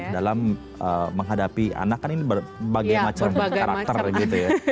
dalam menghadapi anak kan ini berbagai macam karakter gitu ya